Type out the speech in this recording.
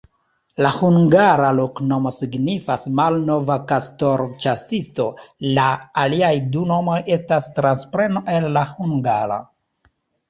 La hungara loknomo signifas: malnova-kastoro-ĉasisto, la aliaj du nomoj estas transpreno el la hungara.